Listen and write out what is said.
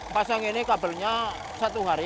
pasang ini kabelnya satu hari